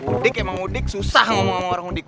udik emang udik susah ngomong sama orang udik